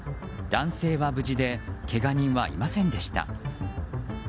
男性は無事でけが人はいませんでした。